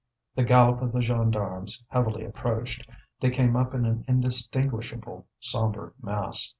The gallop of the gendarmes heavily approached; they came up in an indistinguishable sombre mass.